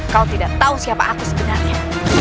kau tidak tahu siapa aku sebenarnya